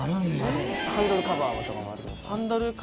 ハンドルカバーとかもあります？